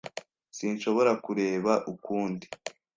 Sinshobora kureba ukundi.